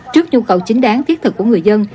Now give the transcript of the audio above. trước nhu cầu chính đáng thiết thực của người dân